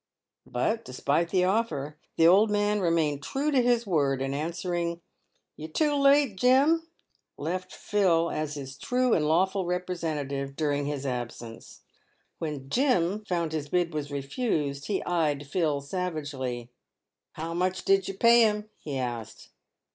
But, despite the offer, the old man remained true to his word, and answering, " You're too late, Jim," left Phil as his true and lawful representative during his absence. When Jim found his bid was refused, he eyed Phil savagely. " How much did you pay him ?" he asked.